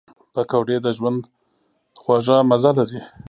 پکورې د ژوند خوږ مزه لري